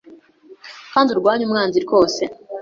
Kandi urwanye umwanzi rwose